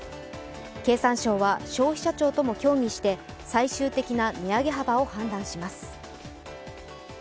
経産省は消費者庁とも協議して、最終的な値上げ幅を判断します。